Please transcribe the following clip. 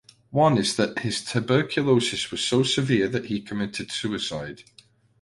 One is that his tuberculosis was so severe that he committed suicide.